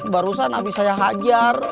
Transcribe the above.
barusan abis saya hajar